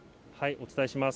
お伝えします。